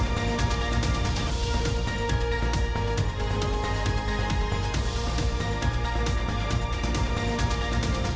โปรดติดตามตอนต่อไป